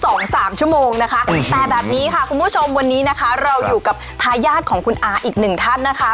สองสามชั่วโมงนะคะแต่แบบนี้ค่ะคุณผู้ชมวันนี้นะคะเราอยู่กับทายาทของคุณอาอีกหนึ่งท่านนะคะ